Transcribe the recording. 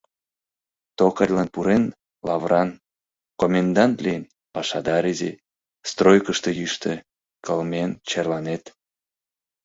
Токарьлан пурен — лавран, комендант лийын — пашадар изи, стройкышто йӱштӧ, кылмен черланет....